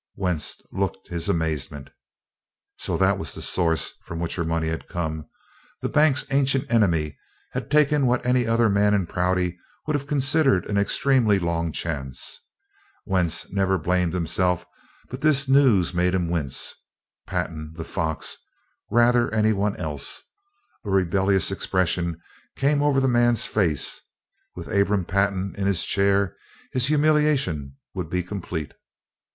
Wentz looked his amazement. So that was the source from which her money had come! The bank's ancient enemy had taken what any other man in Prouty would have considered an extremely long chance. Wentz never had blamed himself, but this news made him wince. Pantin the fox rather anyone else! A rebellious expression came over the man's face. With Abram Pantin in his chair his humiliation would be complete.